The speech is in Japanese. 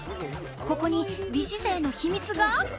ここに美姿勢の秘密が？